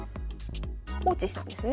放置したんですね。